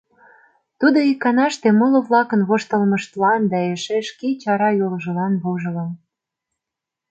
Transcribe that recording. Тудо иканаште моло-влакын воштылмыштлан да эше шке чара йолжылан вожылын.